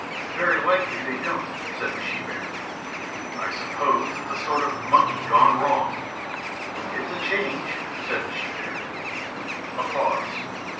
"Very likely they don't," said the she bear. "I suppose it's a sort of monkey gone wrong." "It's a change," said the she bear. A pause.